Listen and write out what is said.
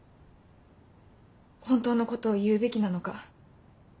本当のことを言うべきなのか。